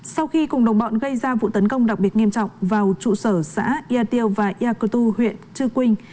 sau khi cùng đồng bọn gây ra vụ tấn công đặc biệt nghiêm trọng vào trụ sở xã yà tiêu và ia cơ tu huyện chư quynh